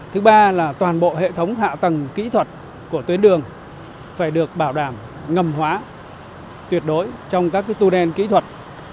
thứ ba là toàn bộ hệ thống hạ tầng kỹ thuật của tuyến đường phải được bảo đảm ngầm hóa tuyệt đối trong các tu đen kỹ thuật